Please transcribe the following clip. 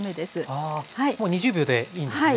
あもう２０秒でいいんですね。